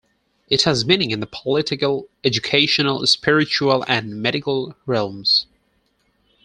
It has meaning in the political, educational, spiritual and medical realms.